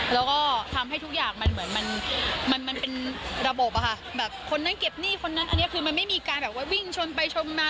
แล้วก็ทำให้ทุกอย่างเหมือนมันเป็นระบบเปล่าค่ะ